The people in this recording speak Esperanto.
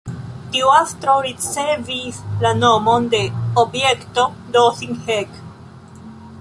Tiu astro ricevis la nomon de "Objekto Dossin-Heck".